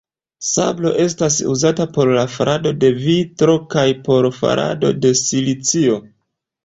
Sablo estas uzata por la farado de vitro kaj por farado de silicio.